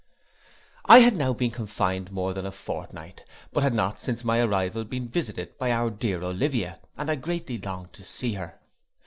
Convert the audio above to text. I had now been confined more than a fortnight, but had not since my arrival been visited by my dear Olivia, and I greatly longed to see her.